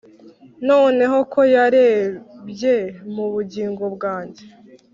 noneho ko yarebye mu bugingo bwanjye